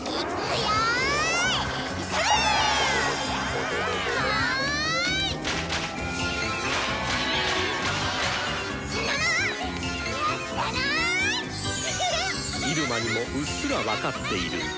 入間にもうっすら分かっている。